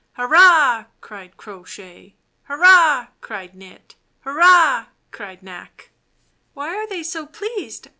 "Hurrah!" cried Crow Shay. "Hurrah!" cried Knit. "Hurrah!" cried Knack. "Why are they so pleased?